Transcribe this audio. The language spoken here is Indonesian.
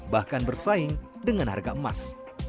bahkan bersaing dengan harga emas